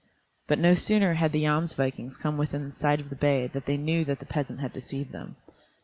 But no sooner had the Jomsvikings come within sight of the bay than they knew that the peasant had deceived them.